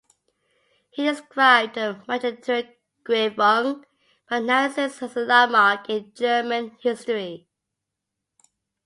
He described the "Machtergreifung" by the Nazis as "a landmark in German history".